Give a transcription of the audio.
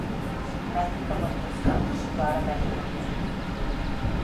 Gràcies pel vostre escalf, però ara penso en els meus fills.